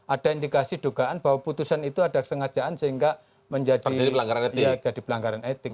ada indikasi dugaan bahwa putusan itu ada kesengajaan sehingga menjadi pelanggaran etik